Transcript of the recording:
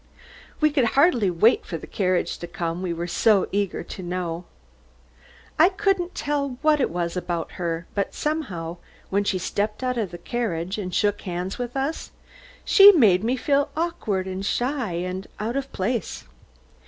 We could hardly wait for the carriage to come, we were so eager to know. I couldn't tell what it was about her, but somehow, when she stepped out of the carriage and shook hands with us, she made me feel awkward and shy and out of place.